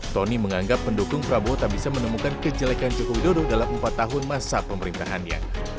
tony menganggap pendukung prabowo tak bisa menemukan kejelekan jokowi dodo dalam empat tahun masa pemerintahannya